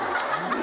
え！？